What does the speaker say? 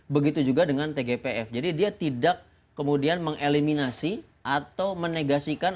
begitu juga dengan tgpf jadi dia tidak kemudian mengeliminasi atau menegasikan